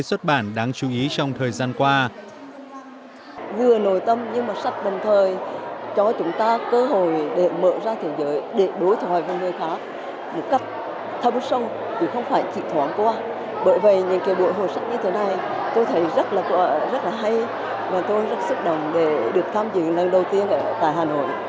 đây là những cuốn sách mới xuất bản đáng chú ý trong thời gian qua